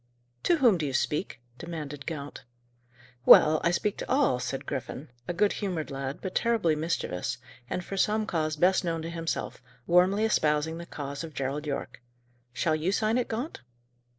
"To whom do you speak?" demanded Gaunt. "Well, I speak to all," said Griffin, a good humoured lad, but terribly mischievous, and, for some cause best known to himself, warmly espousing the cause of Gerald Yorke. "Shall you sign it, Gaunt?"